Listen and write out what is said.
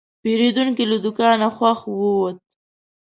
پیرودونکی له دوکانه خوښ ووت.